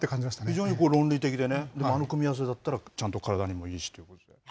非常に論理的でね、あの組み合わせだったら、ちゃんと体にもいいしということで。